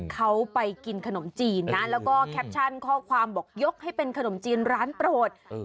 เขาไปกินขนมจีนนะแล้วก็แคปชั่นข้อความบอกยกให้เป็นขนมจีนร้านโปรด